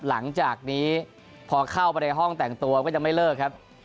หลังจากนี้พอเข้าไปในห้องแต่งตัวก็จะไม่เลิกครับ